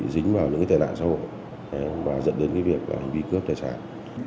dính vào những cái tài nạn xã hội và dẫn đến cái việc hành vi cướp tài sản